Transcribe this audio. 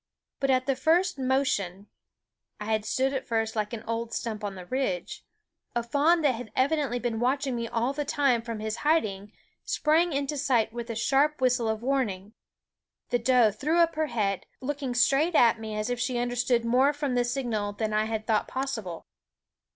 But at the first motion (I had stood at first like an old stump on the ridge) a fawn that had evidently been watching me all the time from his hiding sprang into sight with a sharp whistle of warning. The doe threw up her head, looking straight at me as if she had understood more from the signal than I had thought possible.